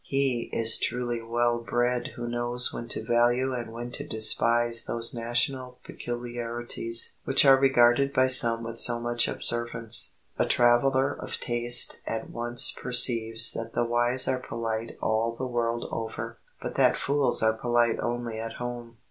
He is truly well bred who knows when to value and when to despise those national peculiarities which are regarded by some with so much observance. A traveler of taste at once perceives that the wise are polite all the world over, but that fools are polite only at home.